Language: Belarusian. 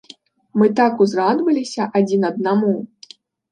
Мы так узрадаваліся адзін аднаму.